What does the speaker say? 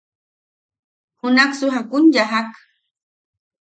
–¿Junaksu jakun yajak?